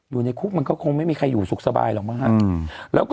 อยู่ในคุกมันก็คงไม่มีใครอยู่สุขสบายหรอกมั้งฮะ